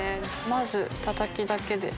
まずたたきだけで。